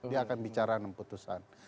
dia akan bicara enam putusan